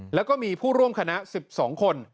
แล้วก็มีผู้ร่วมคณะ๑๒คน